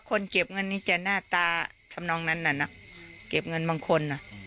เก็บเงินนี้จะหน้าตาทำนองนั้นน่ะนะเก็บเงินบางคนอ่ะ